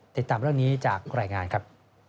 ติดตามเรื่องนี้จากรายงานครับ